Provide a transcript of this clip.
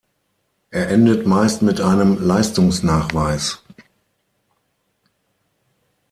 Er endet meist mit einem Leistungsnachweis.